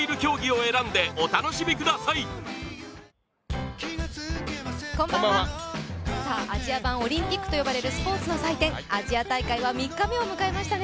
「のりしお」もねこんばんは、アジア版オリンピックと呼ばれるスポーツの祭典、アジア大会は３日目を迎えましたね